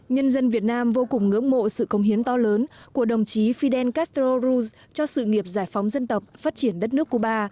nhân dân việt nam vô cùng ngưỡng mộ sự công hiến to lớn của đồng chí fidel castro ruz cho sự nghiệp giải phóng dân tộc phát triển đất nước cuba